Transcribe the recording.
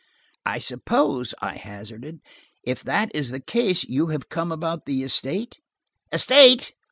"I suppose," I hazarded, "if that is the case, you have come about the estate." "Estate!"